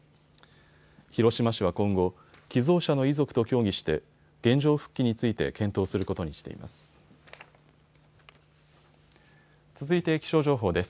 広島市は今後、寄贈者の遺族と協議して原状復帰について検討することにしています。